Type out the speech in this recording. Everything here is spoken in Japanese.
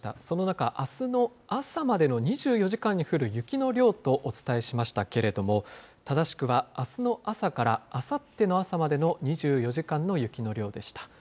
その中、あすの朝までの２４時間に降る雪の量とお伝えしましたけれども、正しくは、あすの朝からあさっての朝までの２４時間の雪の量でした。